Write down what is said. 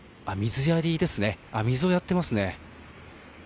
水をやっていますね。